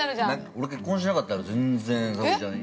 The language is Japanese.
◆俺、結婚してなかったら全然、沙保里ちゃん。